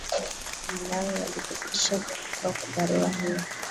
malawi walithibitisha kupokelewa kwa barua hiyo